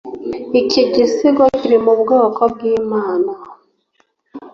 iki gisigo kiri mu bwoko bwimana.